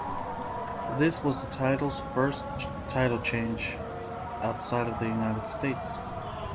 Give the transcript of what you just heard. This was the title's first title change outside of the United States.